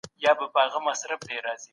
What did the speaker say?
کتابتون څېړنه خورا دقیق معلومات راکوي.